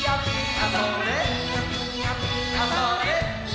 あ、それっ。